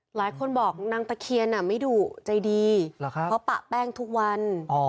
หลายคนบอกนางตะเคียนไม่ดุใจดีเพราะปะแป้งทุกวัน